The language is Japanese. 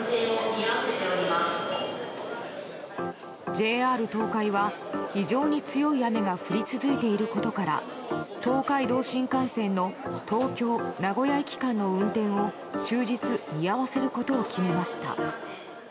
ＪＲ東海は非常に強い雨が降り続いていることから東海道新幹線の東京名古屋駅間の運転を終日見合わせることを決めました。